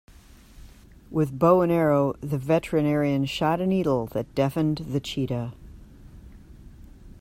With bow and arrow the veterinarian shot a needle that deafened the cheetah.